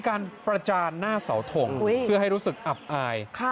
การประจานหน้าเสาทงเพื่อให้รู้สึกอับอาย